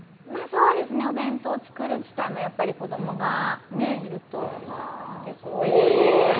お弁当作る機会も子供がいると結構多いので。